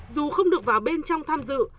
dù không được vào bên trong tham dự